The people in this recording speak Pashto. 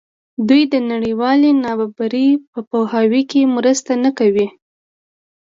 دوی د نړیوالې نابرابرۍ په پوهاوي کې مرسته نه کوي.